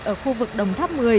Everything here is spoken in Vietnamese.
ở khu vực đồng tháp một mươi